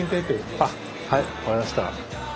あっはい分かりました。